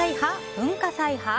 文化祭派？